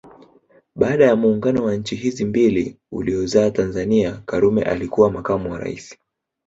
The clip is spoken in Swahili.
Baada ya muungano wa nchi hizi mbili uliozaa Tanzania Karume alikuwa makamu wa rais